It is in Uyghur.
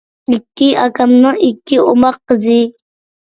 ئىككى ئاكامنىڭ ئىككى ئوماق قىزى.